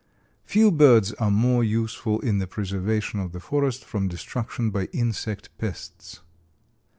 Few birds are more useful in the preservation of the forest from destruction by insect pests.